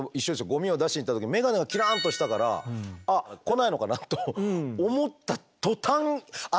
ゴミを出しに行った時眼鏡がキランとしたからあっ来ないのかなと思った途端え！